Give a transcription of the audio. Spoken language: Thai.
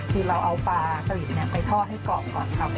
ที่เราเอาปลาสลิดเนี่ยไปท่อให้กรอบก่อนครับ